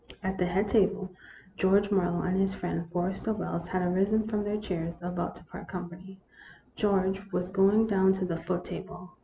At the head table, George Marlowe and his friend Forrester Wells had arisen from their chairs, about to part company. George was going down to the foot table.